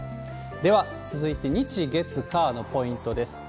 では続いて、日、月、火のポイントです。